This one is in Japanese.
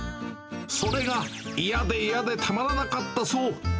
それが嫌で嫌でたまらなかったそう。